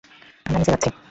আমরা নিচে যাচ্ছি।